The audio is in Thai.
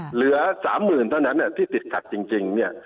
เหลือ๓๐๐๐เท่านั้นที่ติดขัดจริงเนี่ย